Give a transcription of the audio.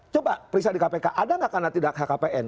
coba periksa di kpk ada tidak karena tidak lhkpn